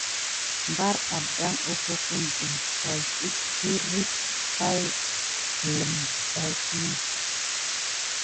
Mbar addan akokum də teky hirip may bələm nakdi.